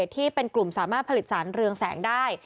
ที่เป็นกลุ่มสามารถผลิตสารเรืองแสงได้